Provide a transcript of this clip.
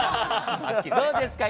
どうですか？